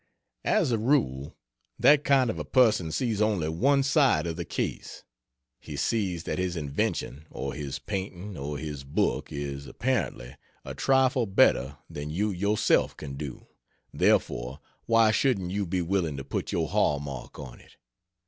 As a rule, that kind of a person sees only one side of the case. He sees that his invention or his painting or his book is apparently a trifle better than you yourself can do, therefore why shouldn't you be willing to put your hall mark on it?